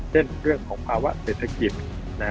เรื่องของภาวะเศรษฐกิจ